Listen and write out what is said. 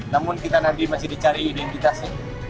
namun kita nanti masih dicari identitasnya